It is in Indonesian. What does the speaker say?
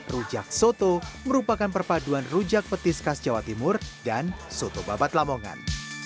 rujak soto merupakan perpaduan rujak petis khas jawa timur dan soto babat lamongan